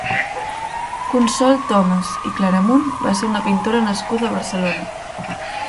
Consol Tomas i Claramunt va ser una pintora nascuda a Barcelona.